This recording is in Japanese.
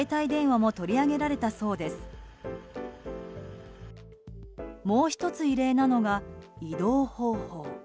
もう１つ、異例なのが移動方法。